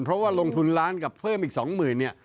เพราะว่าลงทุนล้านกับเพิ่มอีก๒๐๐๐เนี่ย